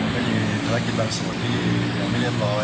มีธนาคิดบังสมุดที่ยังไม่เรียบร้อย